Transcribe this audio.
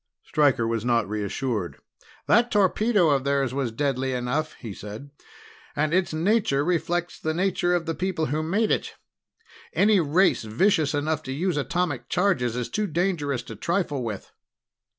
Stryker was not reassured. "That torpedo of theirs was deadly enough," he said. "And its nature reflects the nature of the people who made it. Any race vicious enough to use atomic charges is too dangerous to trifle with."